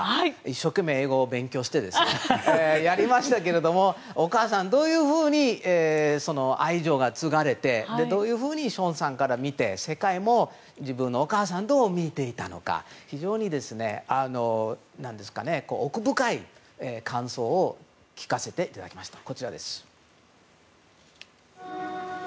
一生懸命、英語を勉強してやりましたがお母さんどういうふうに愛情が継がれてどういうふうにショーンさんから見て世界も、自分のお母さんをどう見ていたのか非常に奥深い感想を聞かせていただきました。